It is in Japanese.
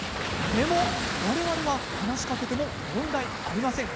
でも我々は話しかけても問題ありません。